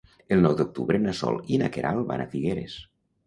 El nou d'octubre na Sol i na Queralt van a Figueres.